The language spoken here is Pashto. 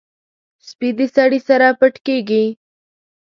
سپي د سړي سره پټ کېږي.